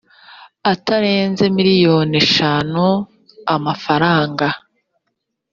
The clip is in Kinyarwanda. atarenze miliyoni eshanu frw